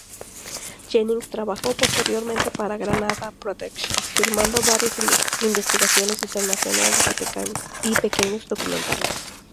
Jennings trabajó posteriormente para "Granada Productions", filmando varias investigaciones internacionales y pequeños documentales.